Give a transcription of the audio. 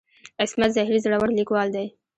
عصمت زهیر زړور ليکوال دی.